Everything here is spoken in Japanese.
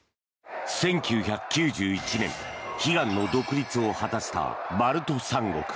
１９９１年、悲願の独立を果たしたバルト三国。